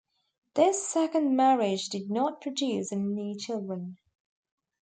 This second marriage did not produce any children.